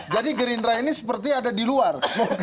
jadi gerindra ini seperti ada di luar